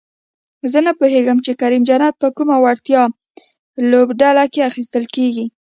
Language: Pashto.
زه نپوهېږم چې کریم جنت په کومه وړتیا لوبډله کې اخیستل کیږي؟